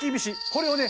これをね